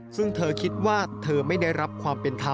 ซึ่งเธอคิดว่าเธอไม่ได้รับความเป็นธรรม